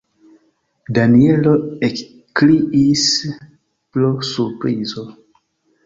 Danjelo ekkriis pro surprizo.